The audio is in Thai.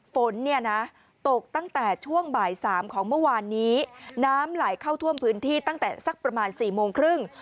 ฝนเนี่ยนะตกตั้งแต่ช่วงบ่าย๓ของเมื่อวานนี้น้ำไหลเข้าท่วมพื้นที่ตั้งแต่สักประมาณ๔โมงครึ่ง